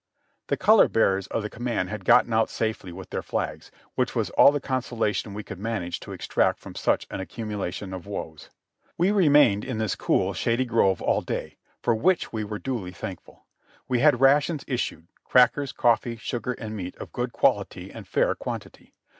The color bearers of the command had gotten out safely with their flags, which was all the consolation we could manage to ex tract from such an accumulation of woes. AVe remained in this cool, shady grove all day, for which we were duly thankful. We had rations issued ; crackers, coffee, sugar and meat of good quality and fair quantity.